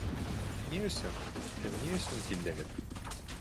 Ни өсөн? Һеҙ ни өсөн килдегеҙ?